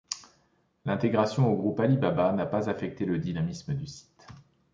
L'intégration au groupe Alibaba n'a pas affecté le dynamisme du site.